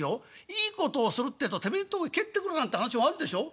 いいことをするってえとてめえんとこに帰ってくるなんて話もあるでしょ？